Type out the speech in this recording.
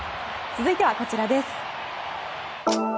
続いては、こちらです。